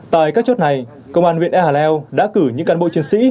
tại các chốt này công an huyện e hà leo đã cử những cán bộ chuyên sĩ